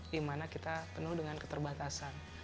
dimana kita penuh dengan keterbatasan